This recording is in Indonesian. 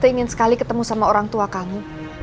saya ingin sekali ketemu sama orang tua kamu